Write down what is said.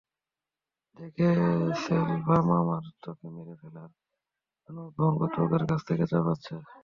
দেখ সেলভাম, আমার তোকে মেরে ফেলার জন্য ঊর্ধ্বতন কর্তৃপক্ষের কাছ থেকে চাপ আসছে।